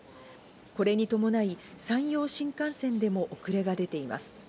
これに伴い、山陽新幹線でも遅れが出ています。